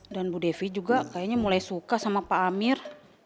dan bu devi juga kayaknya mulai suka sama pak amir